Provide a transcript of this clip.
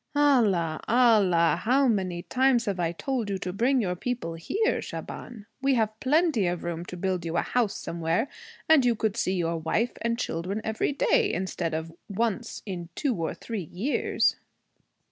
'Allah Allah! How many times have I told you to bring your people here, Shaban? We have plenty of room to build you a house somewhere, and you could see your wife and children every day instead of once in two or three years.'